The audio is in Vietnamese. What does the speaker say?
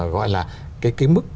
gọi là cái mức